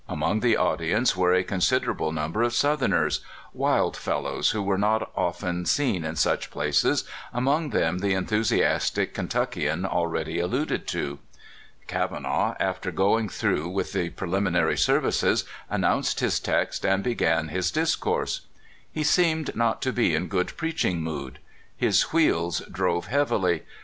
Among the audience were a considerable number of Southerners — wild fellows, w^ho were not often seen in such places, among them the en thusiastic Kentuckian already alluded to. Kava naugh, after going through with the preliminary services, announced his text, and began his dis course. He seemed not to be in a good preaching mood. His wheels drove heavily.